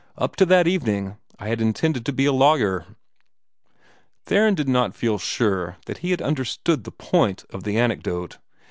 Up to that evening, I had intended to be a lawyer." Theron did not feel sure that he had understood the point of the anecdote.